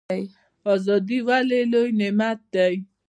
ازادي ولې لوی نعمت دی؟